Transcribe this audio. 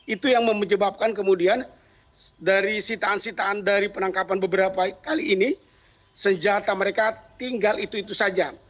itu yang menyebabkan kemudian dari sitaan sitaan dari penangkapan beberapa kali ini senjata mereka tinggal itu itu saja